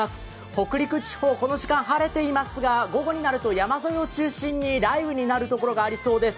北陸地方、この時間晴れていますが午後になると山沿いを中心に雷雨となるところがありそうです。